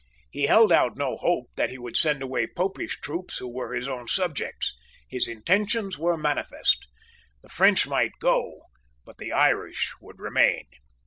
He held out no hope that he would send away Popish troops who were his own subjects. His intentions were manifest. The French might go; but the Irish would remain.